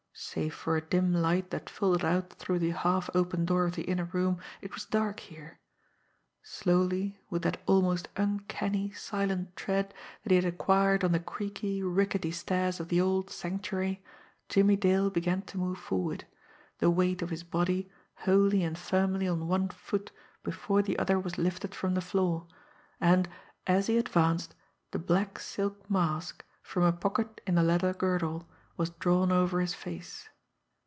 Save for a dim light that filtered out through the half open door of the inner room, it was dark here. Slowly, with that almost uncanny, silent tread that he had acquired on the creaky, rickety stairs of the old Sanctuary, Jimmie Dale began to move forward, the weight of his body wholly and firmly on one foot before the other was lifted from the floor; and, as he advanced, the black silk mask, from a pocket in the leather girdle, was drawn over his face.